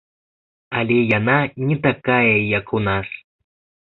Але яна не такая, як у нас.